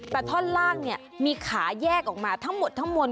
แต่ท่อนล่างเนี่ยมีขาแยกออกมาทั้งหมดทั้งมวล